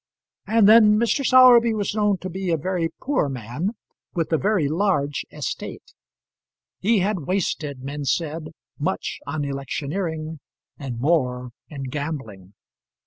And then Mr. Sowerby was known to be a very poor man, with a very large estate. He had wasted, men said, much on electioneering, and more in gambling.